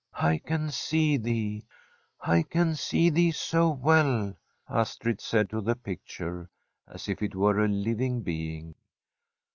' I can see thee — I can see thee so well,' Astrid said to the picture, as if it were a living being.